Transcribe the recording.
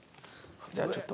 じゃあちょっと。